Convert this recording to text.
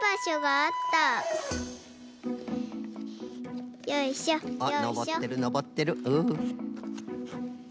あっのぼってるのぼってる。